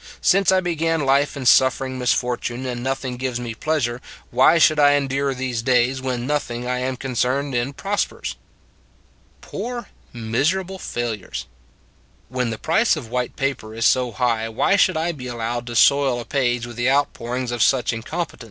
. Since I began life in suffering misfortune and nothing gives me pleas ure, why should I endure these days, when noth ing I am concerned in prospers? " Poor miserable failures. When the price of white paper is so high why should I be allowed to soil a page with the out pourings of such incompetents?